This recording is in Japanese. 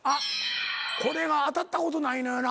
これが当たったことないのよな。